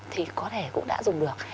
thì có thể cũng đã dùng được